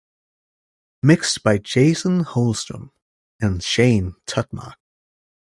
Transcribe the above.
Mixed by Jason Holstrom and Shane Tutmarc.